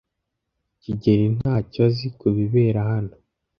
kigeli ntacyo azi kubibera hano.